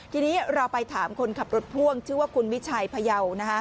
ทีนี้เราไปถามคนขับรถพ่วงชื่อว่าคุณวิชัยพยาว